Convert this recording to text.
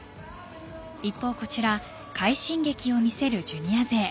一方、こちら快進撃を見せるジュニア勢。